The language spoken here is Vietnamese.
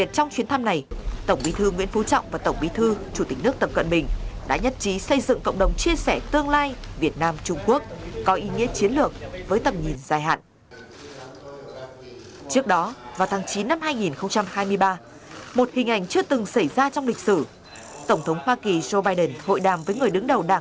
trong chuyến thăm chính thức nhật bản của chủ tịch nước võ văn thưởng